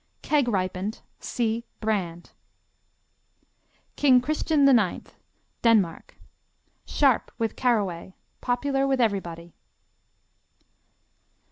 Keg ripened see Brand. King Christian IX Denmark Sharp with caraway. Popular with everybody.